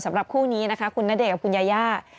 สำหรับคู่นี้นะคะคุณณเดชนกับคุณยาย่า